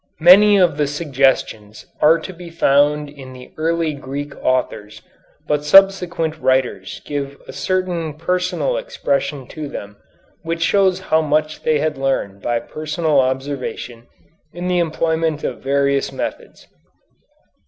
Many of the suggestions are to be found in the early Greek authors, but subsequent writers give a certain personal expression to them which shows how much they had learned by personal observation in the employment of various methods.